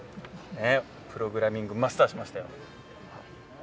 プログラミングマスターしましたよ。